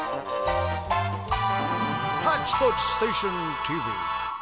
「ハッチポッチステーションＴＶ」。